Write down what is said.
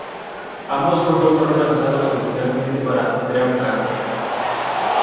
Ambos juegos fueron lanzados originalmente para Dreamcast.